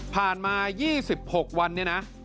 ผ่านมา๒๖วัน